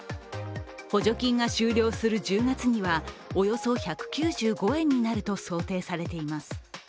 補助金が終了する１０月にはおよそ１９５円になると想定されています。